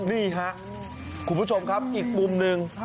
นี่ครับคุณผู้ชมครับอีกมุมหนึ่ง